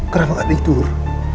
kenapa gak tidur